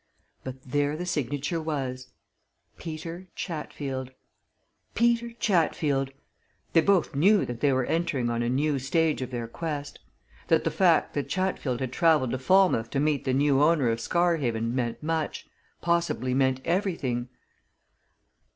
But there the signature was Peter Chatfield. Peter Chatfield! they both knew that they were entering on a new stage of their quest; that the fact that Chatfield had travelled to Falmouth to meet the new owner of Scarhaven meant much possibly meant everything.